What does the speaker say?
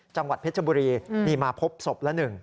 จังหวัดเพชรชมบุรีมีมาพบศพละ๑